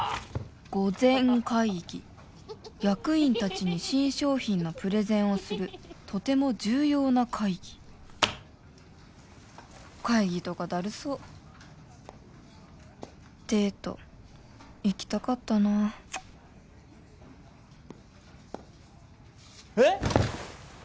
御前会議役員達に新商品のプレゼンをするとても重要な会議会議とかダルそうデート行きたかったなえっ！？